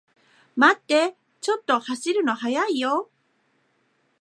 待ってー、ちょっと走るの速いよー